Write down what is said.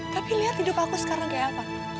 tapi lihat hidup aku sekarang kayak apa